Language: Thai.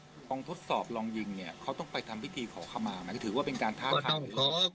แล้วมีน้องทดสอบลองยิงเนี่ยเขาต้องไปทำวิธีขอเข้ามาสักชิ้นเขาถือว่าเป็นการท่านเหตุ